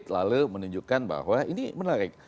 lalu menunjukkan bahwa ini menarik